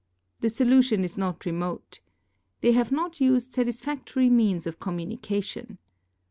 The solution is not remote. They have not used satisfactory means of communication.